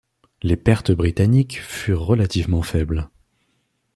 Les pertes britanniques furent relativement faibles.